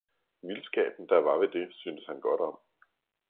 Vildskaben, der var ved det, syntes han godt om.